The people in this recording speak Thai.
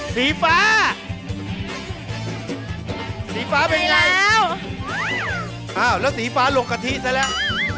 สีฟ้าสีฟ้าเป็นยังไงแล้วสีฟ้าลงกะทิเสร็จแล้ว